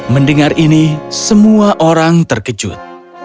mendengar ini semua orang terkejut